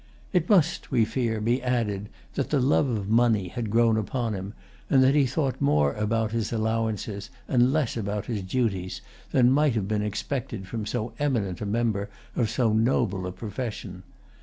It must, we fear, be added, that the love of money had grown upon him, and that he thought more about his allowances, and less about his duties, than might have been expected from so eminent a member of so noble a profession.